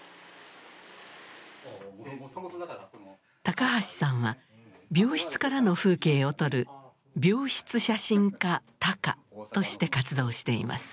高橋さんは病室からの風景を撮る病室写真家ＴＡＫＡとして活動しています。